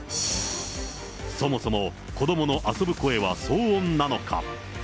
そもそも子どもの遊ぶ声は騒音なのか。